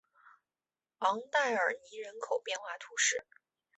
昂代尔尼人口变化图示